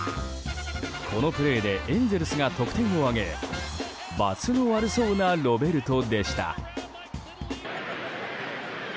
このプレーでエンゼルスが得点を挙げばつの悪そうなロベルトでした。